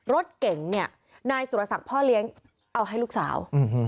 รถเก๋งเนี่ยนายสุรศักดิ์พ่อเลี้ยงเอาให้ลูกสาว